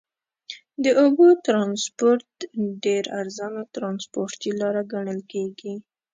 د اوبو ترانسپورت ډېر ارزانه ترنسپورټي لاره ګڼل کیږي.